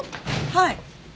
はい。